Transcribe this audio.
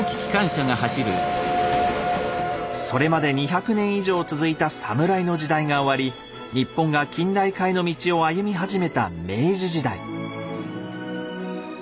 それまで２００年以上続いた侍の時代が終わり日本が近代化への道を歩み始めた明治時代。